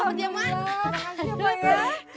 ini dapat arisan saya ya pok